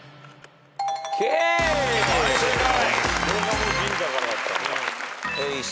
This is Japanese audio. はい正解。